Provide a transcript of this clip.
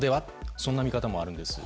そんな見方もあるんです。